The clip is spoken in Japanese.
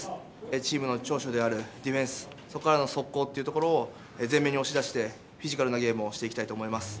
チームの長所であるディフェンス、そこからの速攻というところを全面に押し出して、フィジカルなゲームをしていきたいと思います。